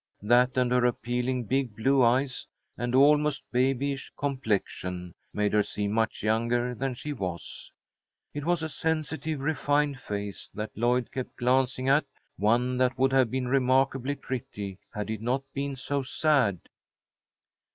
That and her appealing big blue eyes, and almost babyish complexion, made her seem much younger than she was. It was a sensitive, refined face that Lloyd kept glancing at, one that would have been remarkably pretty had it not been so sad.